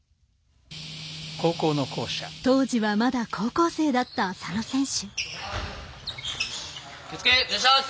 当時はまだ高校生だった浅野選手。